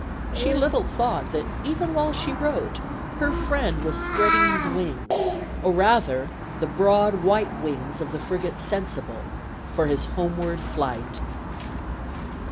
She little thought that even while she wrote, her friend was spreading his wings or rather, the broad white wings of the frigate Sensible, for his homeward flight.